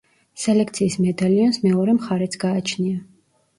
სელექციის მედალიონს მეორე მხარეც გააჩნია.